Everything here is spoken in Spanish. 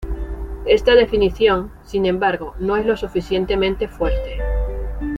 Esta definición, sin embargo, no es lo suficientemente fuerte.